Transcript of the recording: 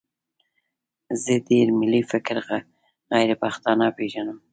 زه ډېر ملي فکره غیرپښتانه پېژنم.